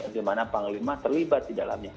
di mana panglima terlibat di dalamnya